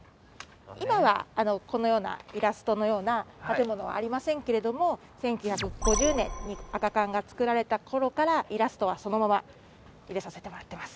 今はこのようなイラストのような建物はありませんけれども１９５０年に赤缶が作られた頃からイラストはそのまま入れさせてもらってます